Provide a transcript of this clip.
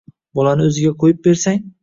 Bolaning o‘ziga qo‘yib bersang.